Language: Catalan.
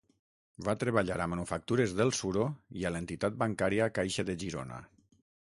Va treballar a Manufactures del Suro i a l'entitat bancària Caixa de Girona.